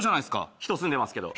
人住んでますけど。